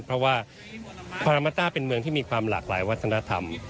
เพราะว่าพารามาต้าเป็นเมืองที่มีความหลากหลายวัฒนธรรม